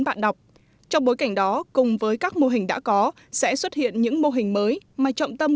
bạn đọc trong bối cảnh đó cùng với các mô hình đã có sẽ xuất hiện những mô hình mới mà trọng tâm